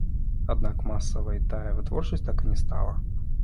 Аднак масавай тая вытворчасць так і не стала.